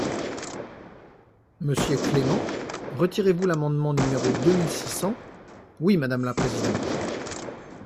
Monsieur Clément, retirez-vous l’amendement numéro deux mille cent six ? Oui, madame la présidente.